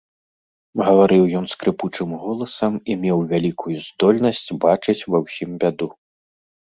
Гаварыў ён скрыпучым голасам і меў вялікую здольнасць бачыць ва ўсім бяду.